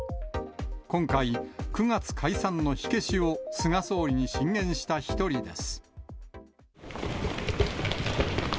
今回、９月解散の火消しを菅総理に進言した一人です。